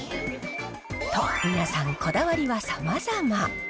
と、皆さん、こだわりはさまざま。